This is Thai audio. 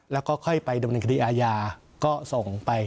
แล้วก็ค่อยไปโดนคดีอายาก็ส่งไป